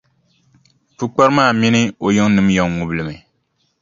Pukpara maa mini o yiŋnima yɛn ŋubi li mi.